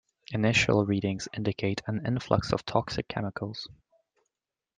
Initial readings indicate an influx of toxic chemicals.